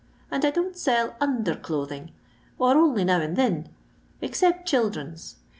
And I don't sell Under Clothing, or only now and thin, except Children* s.